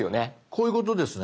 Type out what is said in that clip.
こういうことですね。